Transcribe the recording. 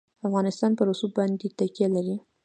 افغانستان په رسوب باندې تکیه لري.